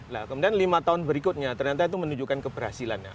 nah kemudian lima tahun berikutnya ternyata itu menunjukkan keberhasilannya